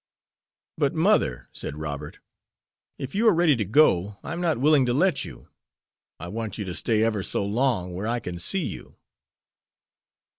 "But, mother," said Robert, "if you are ready to go, I am not willing to let you. I want you to stay ever so long where I can see you."